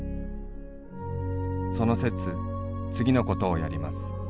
その節次のことをやります。